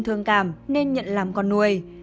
thương cảm nên nhận làm con nuôi